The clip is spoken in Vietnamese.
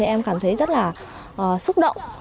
em cảm thấy rất là xúc động